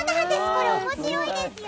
これ面白いですよ。